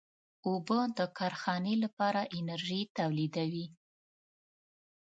اوبه د کارخانې لپاره انرژي تولیدوي.